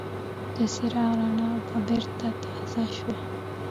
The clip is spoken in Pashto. د څراغ رڼا به بېرته تازه شوه.